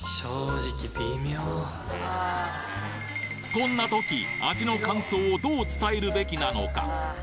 こんな時味の感想をどう伝えるべきなのか